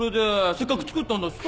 せっかく作ったんだしさ。